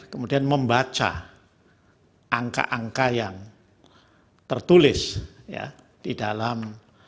kemudian membaca angka angka yang tertulis di dalam